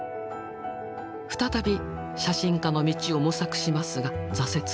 再び写真家の道を模索しますが挫折。